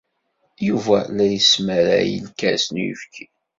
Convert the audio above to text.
Yuba la d-yesmaray lkas n uyefki.